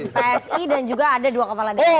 dari psi dan juga ada dua kepala dari gibrans